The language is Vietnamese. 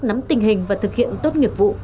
nắm tình hình và thực hiện tốt nghiệp vụ